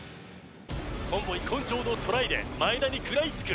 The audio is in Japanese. コンボイ根性のトライで真栄田に食らいつく